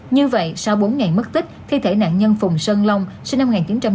như vậy sau bốn ngày mất tích thi thể nạn nhân phùng sơn long sinh năm một nghìn chín trăm tám mươi